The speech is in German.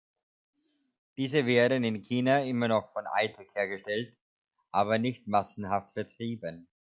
Diese werden in China immer noch von Eittek hergestellt, aber nicht massenhaft vertrieben.